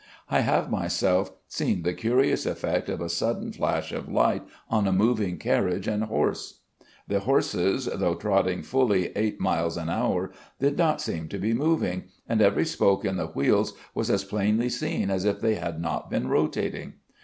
I have myself seen the curious effect of a sudden flash of light on a moving carriage and horses. The horses, though trotting fully eight miles an hour, did not seem to be moving, and every spoke in the wheels was as plainly seen as if they had not been rotating.